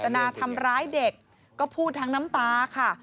ไม่ได้มีเจตนาทำร้ายเด็กก็พูดทางน้ำตาค่ะ